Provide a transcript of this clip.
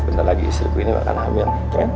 bentar lagi istriku ini akan hamil